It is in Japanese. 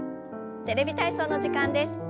「テレビ体操」の時間です。